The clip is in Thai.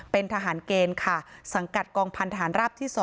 เป็นทหารเกณฑ์ค่ะสังกัดกองพันธานราบที่๒